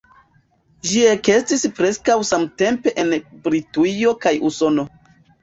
Ĝi ekestis preskaŭ samtempe en Britujo kaj Usono.